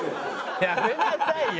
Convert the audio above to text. やめなさいよ